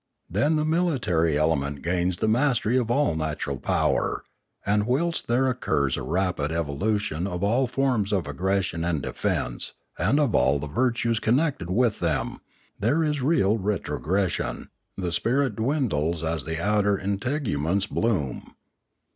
Then the military element gains the mastery of all natural power, and whilst there occurs a rapid evolution of all forms of aggression and defence and of all the virtues connected with them, there is real retrogression; the spirit dwin dles as the outer integuments bloom.